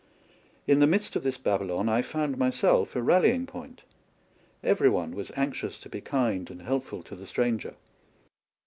In the midst of this Babylon I found myself a rallying point ; every one was anxious to be kind and helpful to the 3 TRAVELS WITH A DONKEY stranger.